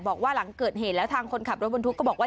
บอกว่าหลังเกิดเหตุแล้วทางคนขับรถบรรทุกก็บอกว่า